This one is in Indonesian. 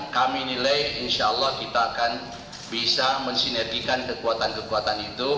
kami nilai insya allah kita akan bisa mensinergikan kekuatan kekuatan itu